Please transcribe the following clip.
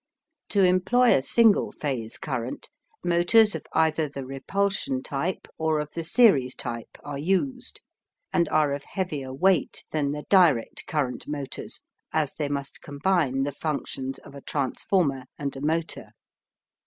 To employ a single phase current, motors of either the repulsion type or of the series type are used and are of heavier weight than the direct current motors, as they must combine the functions of a transformer and a motor.